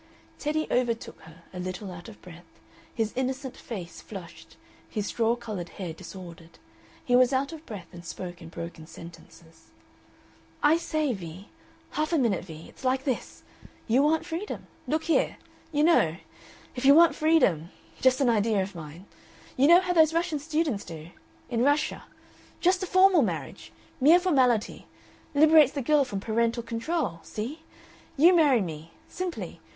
Teddy overtook her, a little out of breath, his innocent face flushed, his straw colored hair disordered. He was out of breath, and spoke in broken sentences. "I say, Vee. Half a minute, Vee. It's like this: You want freedom. Look here. You know if you want freedom. Just an idea of mine. You know how those Russian students do? In Russia. Just a formal marriage. Mere formality. Liberates the girl from parental control. See? You marry me. Simply.